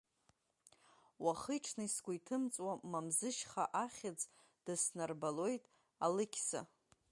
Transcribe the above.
Уахи-ҽни сгәы иҭымҵуа Мамзышьха ахьӡ дыснарбалоит Алықьса.